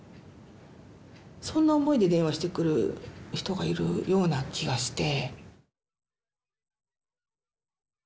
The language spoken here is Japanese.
そんな思いで電話してくる人がいるような気がして。